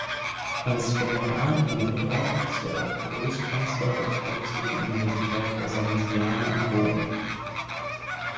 Als Generaloberer ist er auch Großkanzler der Päpstlichen Universität der Salesianer in Rom.